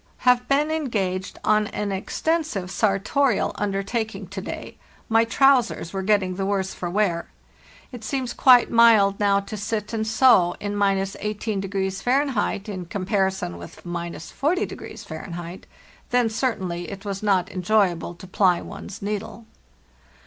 "Have been engaged on an extensive sartorial under taking to day; my trousers were getting the worse for wear. It seems quite mild now to sit and sew in —18° Fahr. in comparison with —4o Fahr. Then certainly it was not enjoyable to ply one's needle.